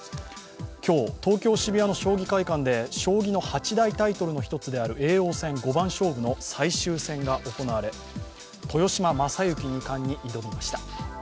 今日、東京・渋谷の将棋会館で将棋の八大タイトルの一つである叡王戦五番勝負の最終戦が行われ、豊島将之二冠に挑みました。